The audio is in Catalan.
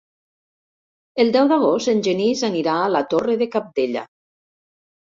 El deu d'agost en Genís anirà a la Torre de Cabdella.